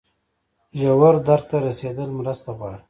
ژور درک ته رسیدل مرسته غواړي.